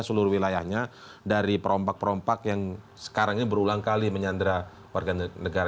seluruh wilayahnya dari perompak perompak yang sekarang ini berulang kali menyandra warga negara